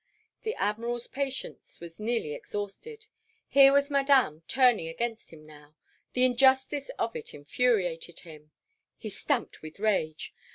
The Admiral's patience was nearly exhausted. Here was Madame turning against him now. The injustice of it infuriated him. He stamped with rage.